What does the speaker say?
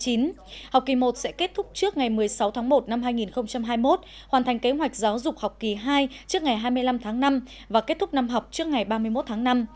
học kỳ một sẽ kết thúc trước ngày một mươi sáu tháng một năm hai nghìn hai mươi một hoàn thành kế hoạch giáo dục học kỳ hai trước ngày hai mươi năm tháng năm và kết thúc năm học trước ngày ba mươi một tháng năm